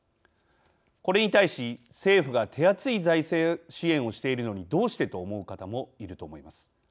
これに対し政府が手厚い財政支援をしているのにどうしてと思う方もいると思います。